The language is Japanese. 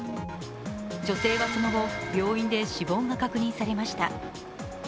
女性はその後病院で死亡が確認されました。